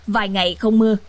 vài ngày không mưa